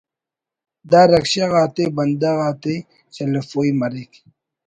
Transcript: دا رکشہ غا تے بندغ آتے چلیفوئی مریک